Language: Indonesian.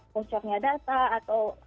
pencernaan data atau